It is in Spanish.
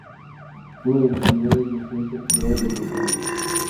Fue uno de los fundadores del Frente Popular de Moldavia.